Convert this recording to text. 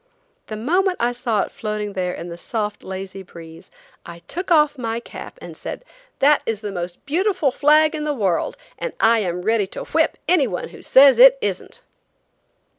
The moment I saw it floating there in the soft, lazy breeze I took off my cap and said: "That is the most beautiful flag in the world, and I am ready to whip anyone who says it isn't."